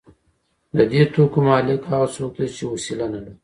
د دې توکو مالک هغه څوک دی چې وسیله نلري